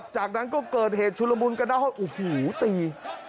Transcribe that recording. จากนั้นก็เกิดเหตุชุลมูลกระน่าวอุ้โหตี